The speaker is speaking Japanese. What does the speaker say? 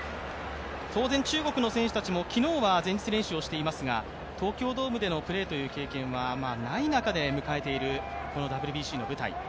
当然中国の選手たちも昨日は前日練習をしていますが、東京ドームでのプレーという経験はない中で迎えているこのＷＢＣの舞台。